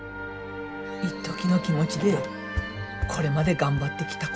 いっときの気持ちでこれまで頑張ってきた